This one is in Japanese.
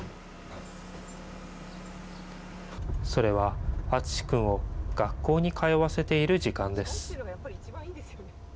それは、あつし君を学校に通わせている時間です。